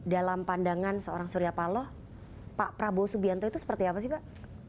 dalam pandangan seorang surya paloh pak prabowo subianto itu seperti apa sih pak